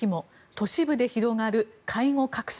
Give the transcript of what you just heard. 都市部で広がる介護格差。